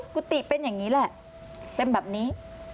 กุฏิเป็นอย่างนี้แหละเป็นแบบนี้